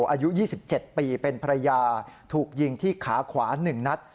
อายุ๒๗ปีเป็นภรรยาถูกยิงที่ขาขวา๑นัด